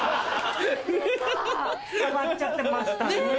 伝わっちゃってましたね。